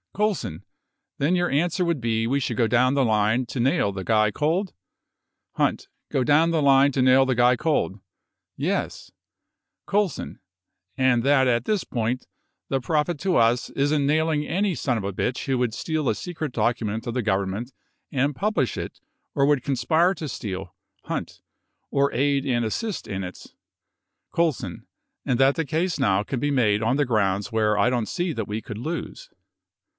C. Then your answer would be we should go down the line to nail the guy cold ? H. Go down the line to nail the guy cold ; yes ... C. And that, at this point, the profit to us is in nailing any son of a bitch who would steal a secret document of the Gov ernment and publish it or would conspire to steal ... H or aid and assist in its ... C. And that the case now can be made on the grounds where I don't see that we could lose.